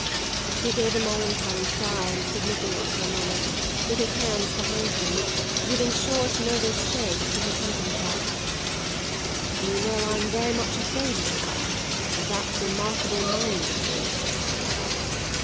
He gave a melancholy sigh and stood looking at her a moment, with his hands behind him, giving short nervous shakes to his hunting crop. "Do you know I'm very much afraid of it of that remarkable mind of yours?"